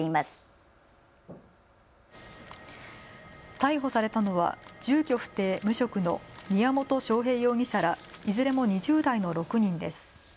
逮捕されたのは住居不定・無職の宮本晶平容疑者らいずれも２０代の６人です。